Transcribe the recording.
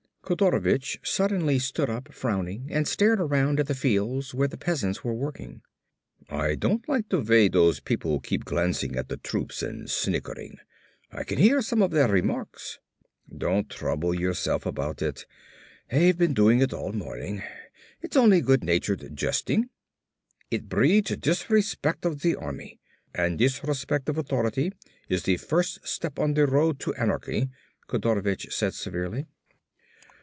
Kodorovich suddenly stood up frowning and stared around at the fields where the peasants were working. "I don't like the way those people keep glancing at the troops and snickering. I can hear some of their remarks." "Don't trouble yourself about it. They've been doing it all morning. It's only good natured jesting." "It breeds disrespect of the Army. And disrespect of authority is the first step on the road to anarchy," Kodorovich said severely.